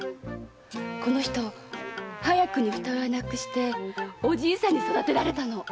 この人早くに二親亡くしてお爺さんに育てられたの。